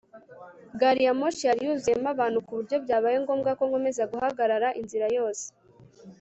gari ya moshi yari yuzuyemo abantu ku buryo byabaye ngombwa ko nkomeza guhagarara inzira yose